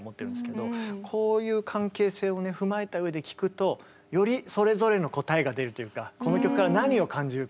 こういう関係性を踏まえた上で聴くとよりそれぞれの答えが出るというかこの曲から何を感じるか。